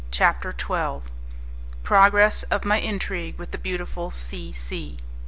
CHAPTER XII Progress of My Intrigue with the Beautiful C. C.